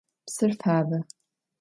Psır fabe.